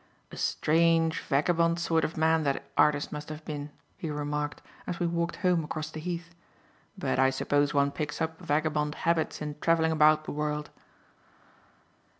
"A strange, vagabond sort of man that artist must have been," he remarked, as we walked home across the Heath, "but I suppose one picks up vagabond habits in travelling about the world."